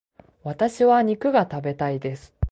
私は肉が食べたいです。